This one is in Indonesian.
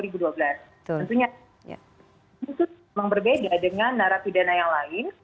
tentunya itu memang berbeda dengan narapidana yang lain